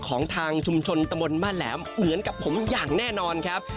ของทางชุมชนตะมนต์บ้านแหลมเหมือนกับผมอย่างแน่นอนครับ